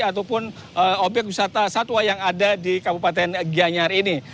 ataupun obyek wisata satwa yang ada di kabupaten gianyar ini